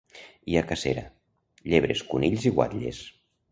Hi ha cacera: llebres, conills i guatlles.